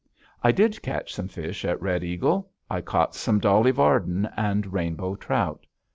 I did catch some fish at Red Eagle. I caught some Dolly Varden and rainbow trout.